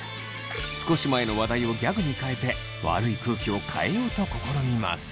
少し前の話題をギャグに変えて悪い空気を変えようと試みます。